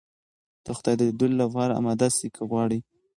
د خدای د ليدلو لپاره اماده سئ که غواړئ.